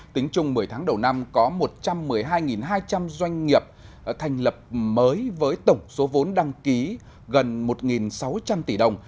tính chung một mươi tháng đầu năm có một trăm một mươi hai hai trăm linh doanh nghiệp thành lập mới với tổng số vốn đăng ký gần một sáu trăm linh tỷ đồng